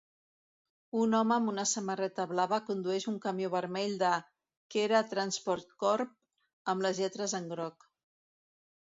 Un home amb una samarreta blava condueix un camió vermell de Khera Transport Corp. amb les lletres en groc.